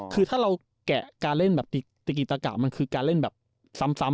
คือถ้าเราแกะการเล่นแบบติกิตะกะมันคือการเล่นแบบซ้ำ